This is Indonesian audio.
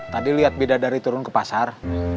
tadi lihat beda dari turun ke pasar